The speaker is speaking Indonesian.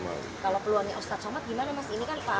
kalau peluangnya ustadz somad gimana mas ini kan pak